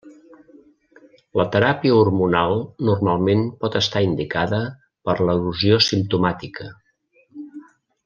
La teràpia hormonal normalment pot estar indicada per l'erosió simptomàtica.